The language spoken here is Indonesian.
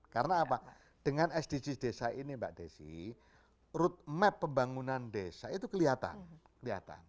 karena apa dengan sdgs desa ini mbak desi roadmap pembangunan desa itu kelihatan